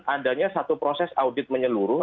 adanya satu proses audit menyeluruh